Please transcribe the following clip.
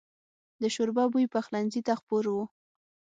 د شوربه بوی پخلنځي ته خپور و.